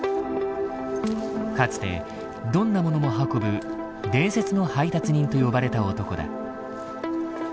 かつてどんなものも運ぶ「伝説の配達人」と呼ばれた男だ。